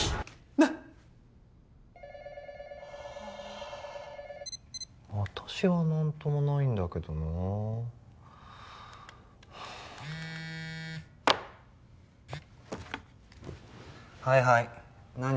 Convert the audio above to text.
なっはあ私は何ともないんだけどなはいはい何？